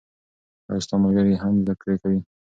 آیا ستا ملګري هم زده کړې کوي؟